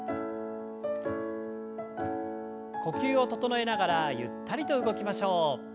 呼吸を整えながらゆったりと動きましょう。